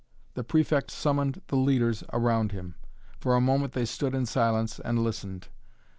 The Prefect summoned the leaders around him. For a moment they stood in silence and listened.